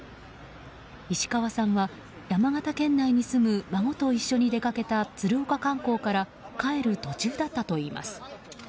石川さんは山形県内に住む孫と一緒に出掛けた鶴岡観光から帰る途中だったといいます。